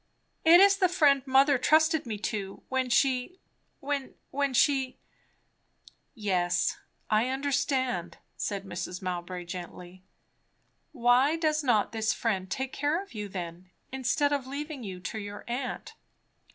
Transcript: "It is the friend mother trusted me to, when she when she " "Yes, I understand," said Mrs. Mowbray gently. "Why does not this friend take care of you then, instead of leaving you to your aunt?"